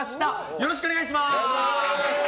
よろしくお願いします。